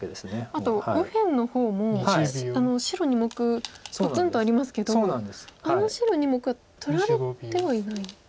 あと右辺の方も白２目ぽつんとありますけどあの白２目は取られてはいない。